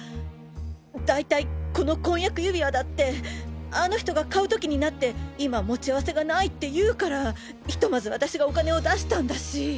大体この婚約指輪だってあの人が買う時になって今持ち合わせがないって言うからひとまず私がお金を出したんだし。